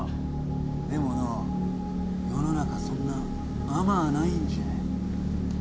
でもの世の中そんな甘あないんじゃ。